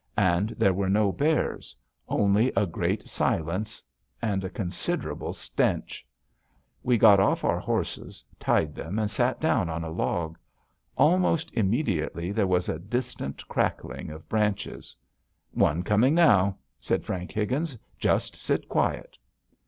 And there were no bears. Only a great silence and a considerable stench. We got off our horses, tied them, and sat down on a log. Almost immediately there was a distant crackling of branches. "One coming now," said Frank Higgins. "Just sit quiet."